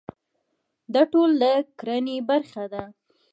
دا ټول د کرنې برخه ده.